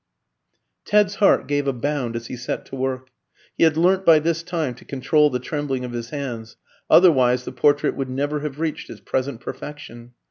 Ted's heart gave a bound as he set to work. He had learnt by this time to control the trembling of his hands, otherwise the portrait would never have reached its present perfection.